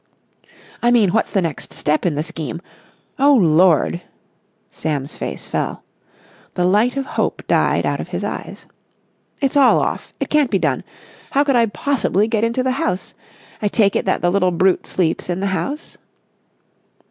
"I mean, what's the next step in the scheme? Oh, Lord!" Sam's face fell. The light of hope died out of his eyes. "It's all off! It can't be done! How could I possibly get into the house? I take it that the little brute sleeps in the house?"